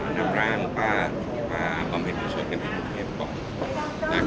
น้ำร้างป้าป้าอาบอมเผ็ดผู้ชนกันที่วุเทพก่อน